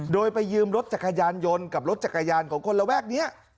โดยไปยืมรถจักรยานยนต์กับรถจักรยานของคนระแวกนี้